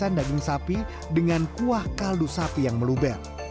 pekong adalah irisan daging sapi dengan kuah kaldu sapi yang meluber